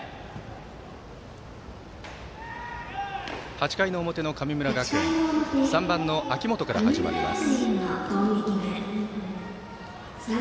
８回の表の神村学園３番の秋元から始まります。